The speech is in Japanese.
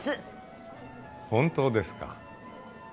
本当ですか？